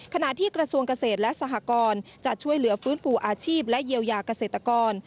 ขณะที่กระทรวงเกษตรและสหกรจะช่วยเหลือฟื้นฟูอาชีพและเยียวยาเกษตรกร